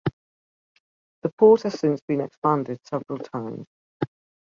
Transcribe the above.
The port has since been expanded several times.